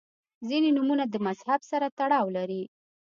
• ځینې نومونه د مذهب سره تړاو لري.